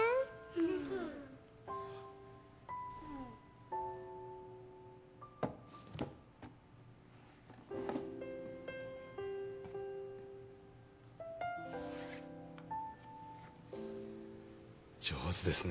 ・うん上手ですね